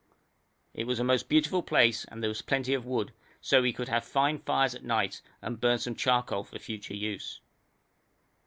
It was a most beautiful place and there was plenty of wood, so we could have fine fires at night and burn some charcoal for future use.